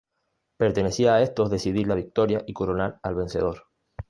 Pertenecía a estos decidir la victoria y coronar al vencedor.